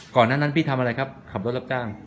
ก่อนนั้นพี่ทำอะไรครับขับรถรับจ้าง